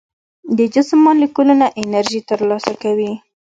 د جسم مالیکولونه انرژي تر لاسه کوي.